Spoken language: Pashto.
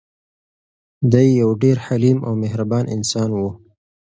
دی یو ډېر حلیم او مهربان انسان و.